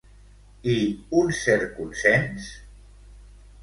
I un cert consens?